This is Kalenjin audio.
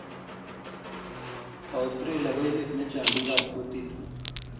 Australia ko emet ne chang pik ab kutit